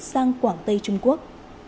sang quảng tây trung quốc